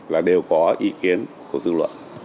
là đều có ý kiến của dư luận